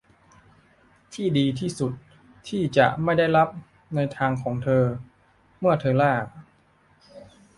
ที่ดีที่สุดที่จะไม่ได้รับในทางของเธอเมื่อเธอล่า